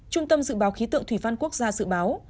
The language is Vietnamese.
trung tâm dự báo khí tượng thủy văn quốc gia dự báo